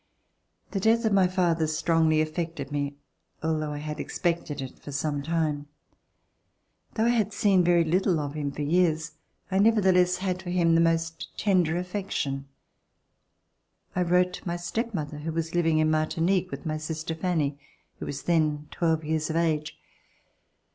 The death of my father strongly affected me, al though I had expected it for some time. Though I had seen very little of him for years, I nevertheless had for him the most tender affection. I wrote my step mother, who was living at Martinique with my sister Fanny, who was then twelve years of age.